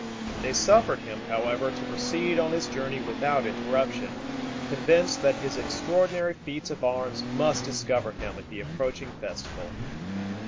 They suffered him, however, to proceed on his journey without interruption, convinced that his extraordinary feats of arms must discover him at the approaching festival.